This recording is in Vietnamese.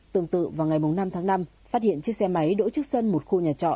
tương tự vào ngày năm tháng năm phát hiện chiếc xe máy đỗ trước sân một khu nhà trọ